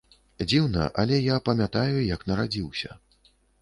Дзіўна, але я памятаю, як нарадзіўся.